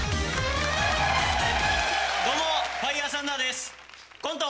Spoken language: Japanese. どうもファイヤーサンダーですコント